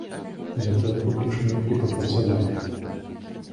Затое колькі ж мы і папрацавалі!